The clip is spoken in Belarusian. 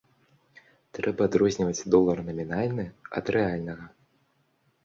Трэба адрозніваць долар намінальны ад рэальнага.